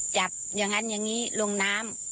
จับอย่างนั้นอย่างนี้ลงน้ำ